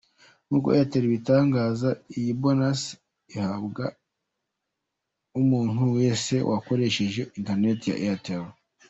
Nk’uko Airtel ibitangaza, iyi Bonus ihabwa umuntu wese wakoresheje interineti ya Airtel.